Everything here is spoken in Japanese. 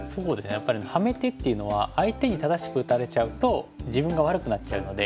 やっぱりハメ手っていうのは相手に正しく打たれちゃうと自分が悪くなっちゃうので。